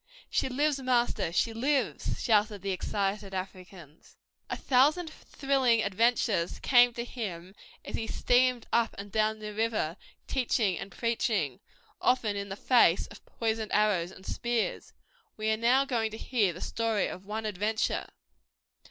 "She lives, master, she lives!" shouted the excited Africans. A thousand thrilling adventures came to him as he steamed up and down the river, teaching and preaching, often in the face of poisoned arrows and spears. We are now going to hear the story of one adventure.